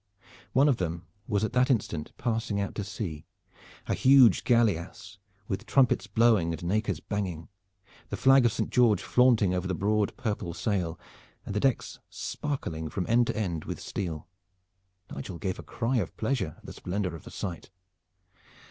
One of them was at that instant passing out to sea, a huge galleass, with trumpets blowing and nakers banging, the flag of Saint George flaunting over the broad purple sail, and the decks sparkling from end to end with steel. Nigel gave a cry of pleasure at the splendor of the sight.